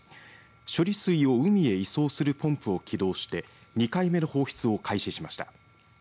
処理水を海へ移送するポンプを起動して２回目の放出を開始しました。